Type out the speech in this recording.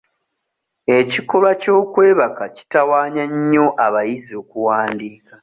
Ekikolwa ky'okwebaka kitawaanya nnyo abayizi okuwandiika.